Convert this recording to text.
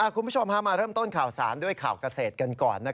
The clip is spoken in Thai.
คุณผู้ชมมาเริ่มต้นข่าวสารด้วยข่าวเกษตรกันก่อน